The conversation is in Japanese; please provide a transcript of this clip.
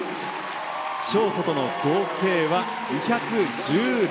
ショートとの合計は２１６．３４。